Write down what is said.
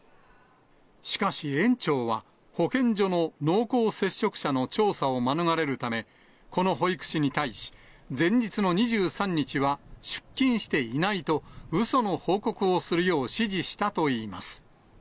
しかし園長は、保健所の濃厚接触者の調査を免れるため、この保育士に対し、前日の２３日は出勤していないと、うその報告をするよう指示したといいます。